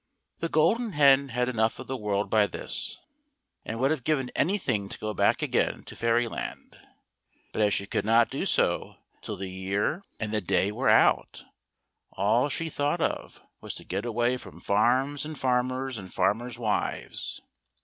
The Golden Hen had enough of the world by this, and would have given anything to go back again to Fairyland ; but as she could not do so till the year 54 THE GOLDEN HEN. and the day were out, all she thought of was to get away from farms and farmers and farmers' wives.